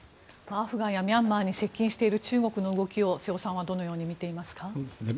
アフガンやミャンマーに接近している中国の動きを瀬尾さんはどのように見ていますか？